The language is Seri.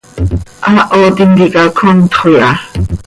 Haaho tintica comtxö iha.